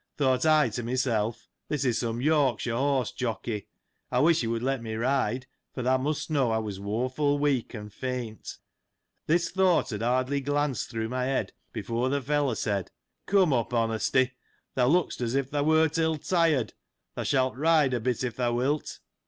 Thought I to myself, this is some Yorkshire horse jockey ; I wish he would let me ride : for thou must know, I was woful weak and faint. This thought had hardly glanced through my head, before that the fellow said, " Come up. Honesty, thou lookst as if thou wert ill tired : thou shalt ride a bit if thou wilt."